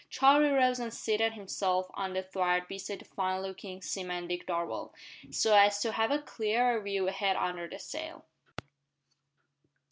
Charlie rose and seated himself on the thwart beside the fine looking seaman Dick Darvall, so as to have a clearer view ahead under the sail.